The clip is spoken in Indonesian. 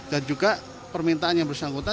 dan juga permintaan yang bersangkutan